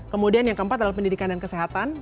kemudian yang keempat adalah pendidikan dan kesehatan